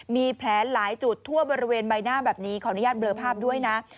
มีแผลหลายจุดทั่วบริเวณใบหน้าแบบนี้ขออนุญาตเบลอภาพด้วยนะ